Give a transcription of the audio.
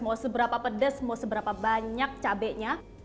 mau seberapa pedes mau seberapa banyak cabenya